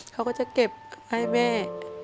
เขาก็จะเก็บให้แม่